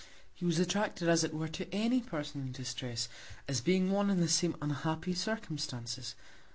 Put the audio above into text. He was attracted, as it were, to any Person in Distress, as being One in the same unhappy Circumstances.